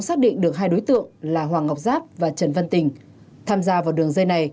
xác định được hai đối tượng là hoàng ngọc giáp và trần văn tình tham gia vào đường dây này